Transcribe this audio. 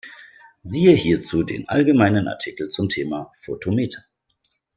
Siehe hierzu den allgemeinen Artikel zum Thema Photometer.